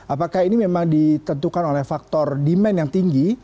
apakah ini memang ditentukan oleh faktor demand yang tinggi